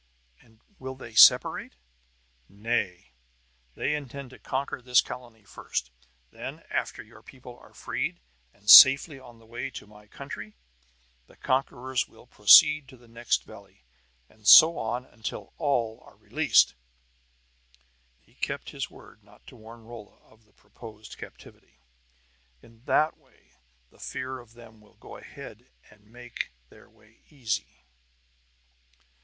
"And will they separate?" "Nay. They intend to conquer this colony first; then, after your people are freed and safely on the way to my country, the conquerors will proceed to the next valley, and so on until all are released." He kept his word not to warn Rolla of the proposed captivity. "In that way the fear of them will go ahead and make their way easy."